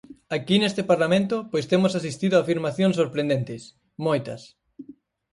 Aquí neste Parlamento pois temos asistido a afirmacións sorprendentes, moitas.